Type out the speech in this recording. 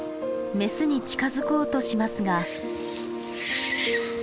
メスに近づこうとしますが。